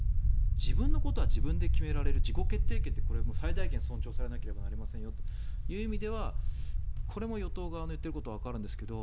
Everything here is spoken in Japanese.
自分のことは自分で決められる自己決定権って最大限尊重されなければなりませんよという意味ではこれも与党側の言ってることはわかるんですけど